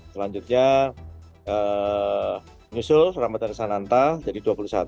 selanjutnya nyusul ramadan sananta jadi dua puluh satu